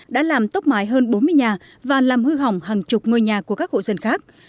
đã làm tốc mái hơn bốn mươi nhà và làm hư hỏng hàng chục ngôi nhà của các hộ dân khác